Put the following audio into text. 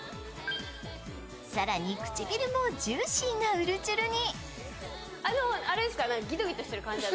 更に、唇もジューシーなうるちゅるに。